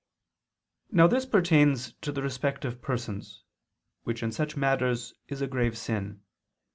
Now this pertains to the respect of persons, which in such matters is a grave sin.